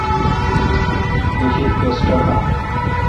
گہ شید کس ٹاکان۔